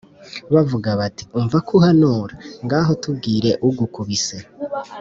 bavuga bati ‘umva ko uhanura, ngaho tubwire ugukubise